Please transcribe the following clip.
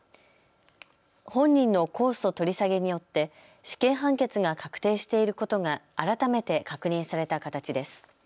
本人の控訴取り下げによって死刑判決が確定していることが改めて確認された形です。